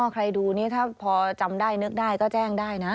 ใครดูนี่ถ้าพอจำได้นึกได้ก็แจ้งได้นะ